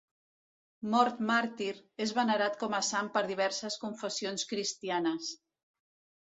Mort màrtir, és venerat com a sant per diverses confessions cristianes.